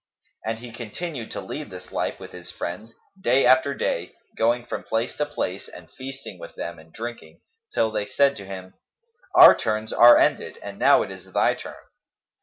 And he continued to lead this life with his friends, day after day, going from place to place and feasting with them and drinking, till they said to him, "Our turns are ended, and now it is thy turn."